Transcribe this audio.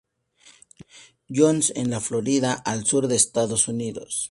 Johns, en la Florida, al sur de Estados Unidos.